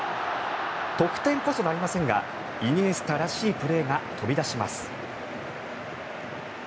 得点こそなりませんがイニエスタらしいプレーが飛び出します。